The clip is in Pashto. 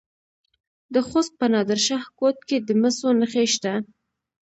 د خوست په نادر شاه کوټ کې د مسو نښې شته.